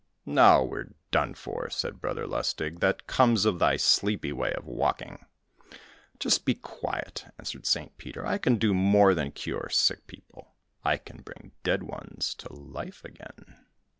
"Now we are done for!" said Brother Lustig; "that comes of thy sleepy way of walking!" "Just be quiet," answered St. Peter, "I can do more than cure sick people; I can bring dead ones to life again."